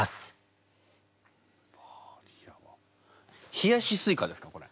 「冷やしスイカ」ですかこれ。